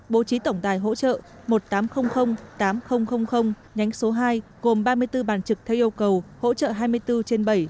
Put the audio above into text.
bố trí tổng tài hỗ trợ một nghìn tám trăm linh tám nghìn nhánh số hai gồm ba mươi bốn bàn trực theo yêu cầu hỗ trợ hai mươi bốn trên bảy